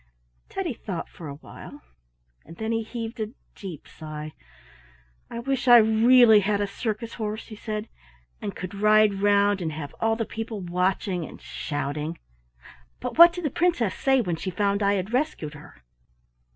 Teddy thought for a while and then he heaved a deep sigh. "I wish I really had a circus horse," he said, "and could ride round and have all the people watching and shouting. But what did the Princess say when she found I had rescued her?"